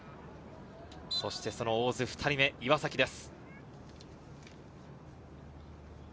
そして、その大津２人目、岩崎です。